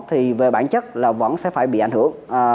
thì về bản chất là vẫn sẽ phải bị ảnh hưởng